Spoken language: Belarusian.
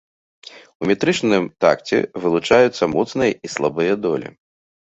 У метрычным такце вылучаюцца моцныя і слабыя долі.